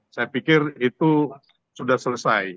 saya pikir itu sudah selesai